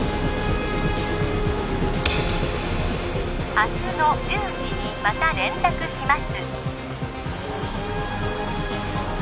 明日の１０時にまた連絡します